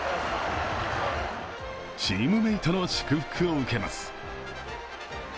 チームメートの祝福を受けます。